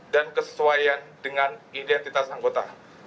dan kesesuaian dengan identitas anggota